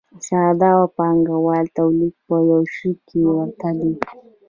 ساده او پانګوالي تولید په یوه شي کې ورته دي.